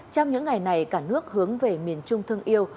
trong những ngày này cả nước hướng về miền trung thương yêu